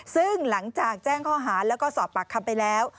ซึ่งหลังจากแจ้งข้อหาแล้วก็สอบปากคำไปแล้ว